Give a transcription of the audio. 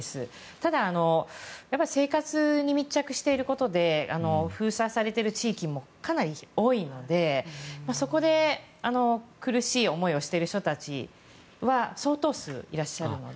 ただ、生活に密着していることで封鎖されている地域もかなり多いのでそこで苦しい思いをしている人たちは相当数いらっしゃるので。